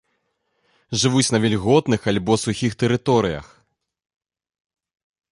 Жывуць на вільготных альбо сухіх тэрыторыях.